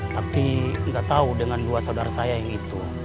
tapi nggak tahu dengan dua saudara saya yang itu